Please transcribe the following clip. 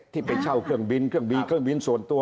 ที่ไปเช่าเครื่องบินเครื่องบินส่วนตัว